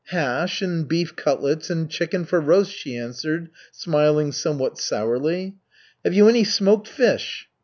"Hash and beef cutlets and chicken for roast," she answered, smiling somewhat sourly. "Have you any smoked fish?"